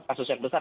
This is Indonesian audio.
kasus yang besar